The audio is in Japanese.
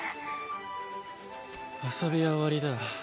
遊びは終わりだ。